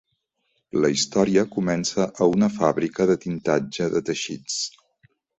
La història comença a una fàbrica de tintatge de teixits.